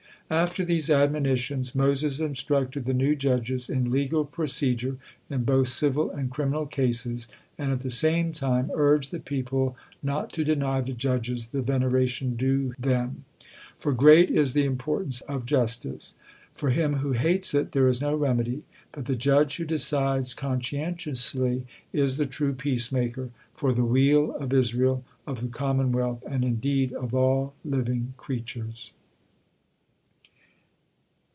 After these admonitions, Moses instructed the new judges in legal procedure, in both civil and criminal cases, and at the same time urged the people no to deny the judges the veneration due him. For great is the importance of justice. For him who hates it, there is no remedy; but the judge who decides conscientiously is the true peacemaker, for the weal of Israel, of the commonwealth, and indeed of all living creatures.